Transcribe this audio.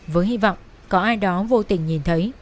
với hy vọng có ai đó vô tình nhìn thấy